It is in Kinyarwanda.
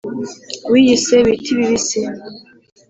wiyise biti bibisi